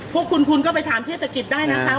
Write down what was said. พวกคุณคุณก็ไปถามเทศกิจได้นะคะ